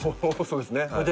そうですね。